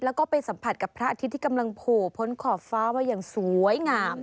แล้วก็ไปสัมผัสกับพระอาทิตย์ที่กำลังโผล่พ้นขอบฟ้ามาอย่างสวยงาม